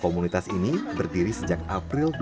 komunitas ini berdiri sejak april dua ribu dua